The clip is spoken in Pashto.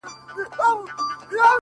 o سترگي مي ړندې سي رانه وركه سې؛